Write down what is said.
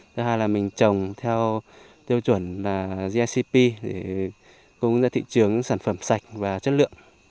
thứ hai là mình trồng theo tiêu chuẩn gicp để cung cấp ra thị trường sản phẩm sạch và chất lượng